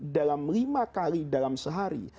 dalam lima kali dalam sehari